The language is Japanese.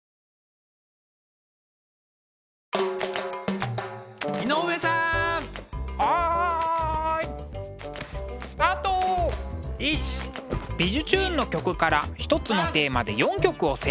「びじゅチューン！」の曲から一つのテーマで４曲をセレクト。